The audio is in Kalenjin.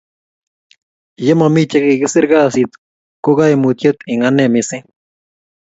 ye mami chekikisir kasit ko kaimutiet eng' ane mising Turn on screen reader support